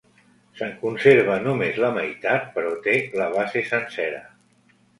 Se'n conserva només la meitat però té la base sencera.